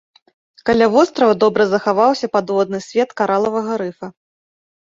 Каля вострава добра захаваўся падводны свет каралавага рыфа.